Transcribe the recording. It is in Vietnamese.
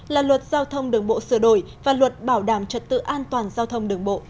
là luật giao thông đường bộ sửa đổi và luật bảo đảm trật tự an toàn giao thông đường bộ